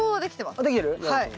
あっできてる？